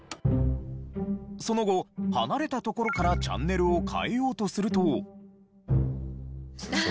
その後離れた所からチャンネルを替えようとすると。